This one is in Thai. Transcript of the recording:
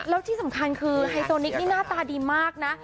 แล้วที่สำคัญคือไฮโซนิกนี่หน้าตาดีมากนะ